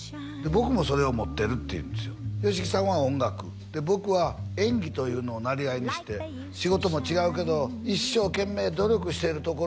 「僕もそれを持ってる」って言うんですよ「ＹＯＳＨＩＫＩさんは音楽僕は演技というのを生業にして」「仕事も違うけど一生懸命努力してるところは」